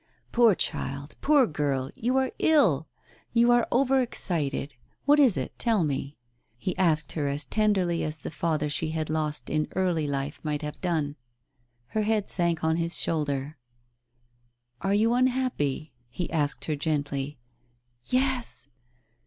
" Poor child ! poor girl ! you are ill, you are over excited. What is it ? Tell me," he asked her as tenderly as the father she had lost in early life might have done. Her head sank on his shoulder. "Are you unhappy? " he asked her gently. "Yes!"